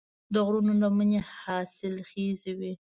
د غرونو لمنې حاصلخیزې وي.